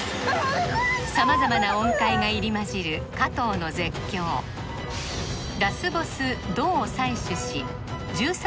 様々な音階が入り混じる加藤の絶叫ラスボスドを採取し１３